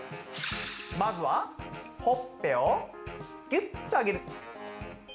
まずはほっぺをギュッとあげる。